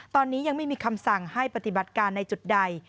ตอนนี้ยังไม่มีคำสั่งให้ปฏิบัติการในจุดใด